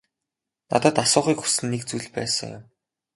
Надад асуухыг хүссэн нэг зүйл байсан юм.